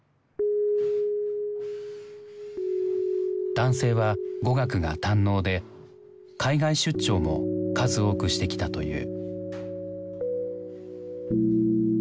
男性は語学が堪能で海外出張も数多くしてきたという。